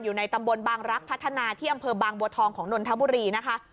อยู่ในตำบลบางรักพัฒนาที่อำเภอบางบัวทองของนนทบุรีนะคะ